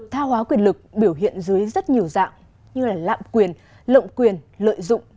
tha hóa quyền lực biểu hiện dưới rất nhiều dạng như lạm quyền lộng quyền lợi dụng